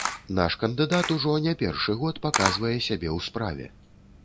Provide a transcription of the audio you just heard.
Наш кандыдат ужо не першы год паказвае сябе ў справе.